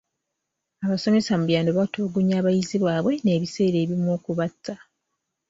Abasomesa mu byalo batulugunya abayizi baabwe n'ebiseera ebimu okubatta.